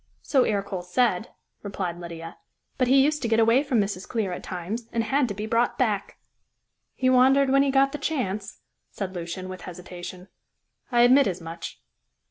"So Ercole said," replied Lydia, "but he used to get away from Mrs. Clear at times, and had to be brought back." "He wandered when he got the chance," said Lucian, with hesitation. "I admit as much."